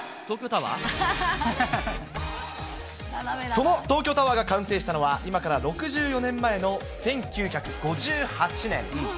その東京タワーが完成したのは、今から６４年前の１９５８年。